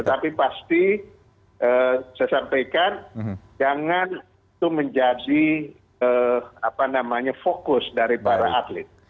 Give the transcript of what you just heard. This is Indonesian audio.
tapi pasti saya sampaikan jangan itu menjadi fokus dari para atlet